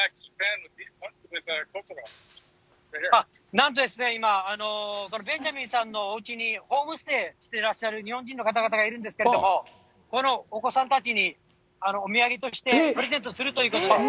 なんと今、ベンジャミンさんのおうちにホームステイらっしゃる日本人のお子さんたちがいらっしゃるんですけれども、このお子さんたちにお土産として、プレゼントするということで。